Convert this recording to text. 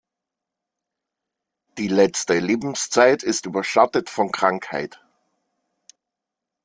Die letzte Lebenszeit ist überschattet von Krankheit.